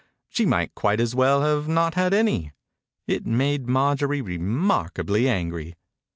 She might quite as well not have had any. It made Marjorie remarkably angry.